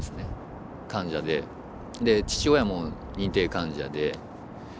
父親も認定患者で。